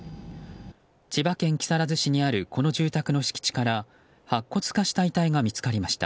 千葉県木更津市にあるこの住宅の敷地から白骨化した遺体が見つかりました。